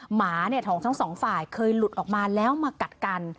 หมาของทั้งสองฝ่ายเคยหลุดออกมาแล้วมากัดกัน